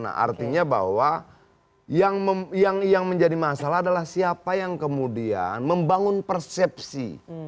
nah artinya bahwa yang menjadi masalah adalah siapa yang kemudian membangun persepsi